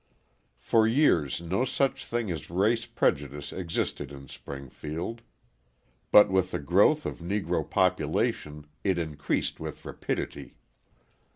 For years no such thing as race prejudice existed in Springfield; but with the growth of Negro population it increased with rapidity.